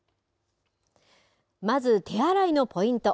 まず手洗いのポイント。